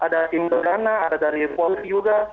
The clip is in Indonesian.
ada tim bergana ada dari polis juga